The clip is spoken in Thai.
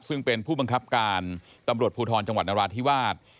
ซึ่งเป็นผู้บังคับการตำรวจภูทรจังหวัดนราธิวาส